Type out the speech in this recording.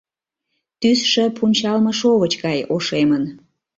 Тӱсшӧ пунчалме шовыч гай ошемын.